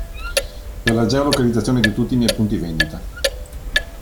Per la geo-localizzazione di tutti i miei punti vendita.